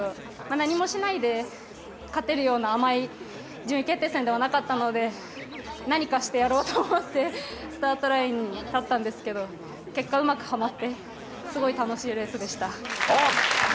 何もしないで、勝てるような甘い順位決定戦ではなかったので、何かしてやろうと思って、スタートラインに立ったんですけど、結果うまくはまって、すごい楽しいレースでした。